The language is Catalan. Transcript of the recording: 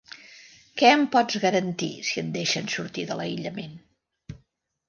Què em pots garantir si et deixen sortir de l'aïllament?